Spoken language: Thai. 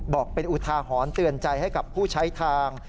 บอกเป็นอุทาหรณ์เตือนใจให้กับผู้ใช้ทาง